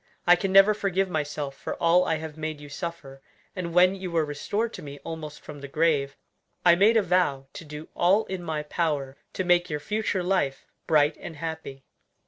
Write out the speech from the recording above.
I can never forgive myself for all I have made you suffer, and when you were restored to me almost from the grave, I made a vow to do all in my power to make your future life bright and happy."